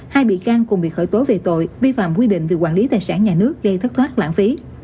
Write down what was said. hai bị can cùng bị khởi tố về tội vi phạm quy định về quản lý tài sản nhà nước gây thất thoát lãng phí